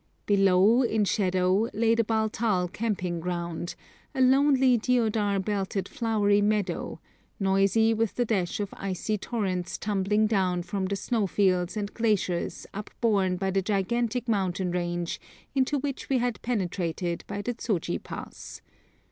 Below, in shadow, lay the Baltal camping ground, a lonely deodar belted flowery meadow, noisy with the dash of icy torrents tumbling down from the snowfields and glaciers upborne by the gigantic mountain range into which we had penetrated by the Zoji Pass.